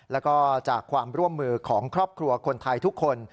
แล้วก็จากความร่วมมือของครอบครัวคนไทยทุกคน